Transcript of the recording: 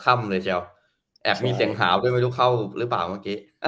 เลยทีเดียวแอบมีเสียงหาวด้วยไม่รู้เข้าหรือเปล่าเมื่อกี้